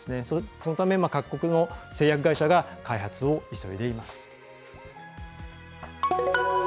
そのため、各国の製薬会社が開発を急いでいます。